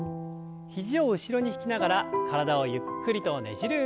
肘を後ろに引きながら体をゆっくりとねじる運動です。